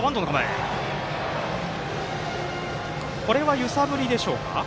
これは揺さぶりでしょうか。